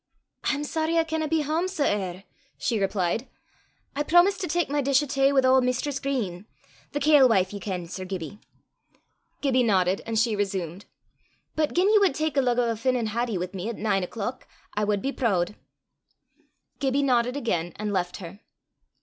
"I'm sorry I canna be hame sae ear'," she replied. "I promised to tak my dish o' tay wi' auld Mistress Green the kail wife, ye ken, Sir Gibbie." Gibbie nodded and she resumed: "But gien ye wad tak a lug o' a Fin'on haddie wi' me at nine o'clock, I wad be prood." Gibbie nodded again, and left her.